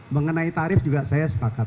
mengenai tarif juga saya sepakat